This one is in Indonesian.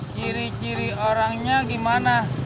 ciri ciri orangnya gimana